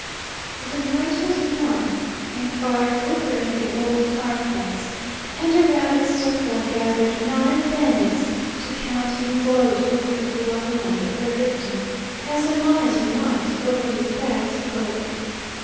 The night was warm. A fire flickered in the old fireplace, and around its circle gathered nine bandits to count and gloat over the blood money of their victim, as a miser might over his bags of gold.